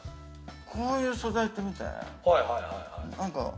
こういう素材って見て。